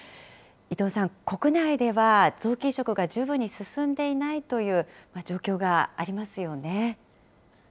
伊藤さん、国内では臓器移植が十分に進んでいないという状況がありますよね。